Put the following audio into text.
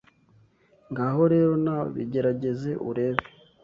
Ngaho rero nawe bigerageze urebe